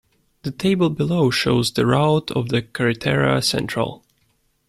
The table below shows the route of the Carretera Central.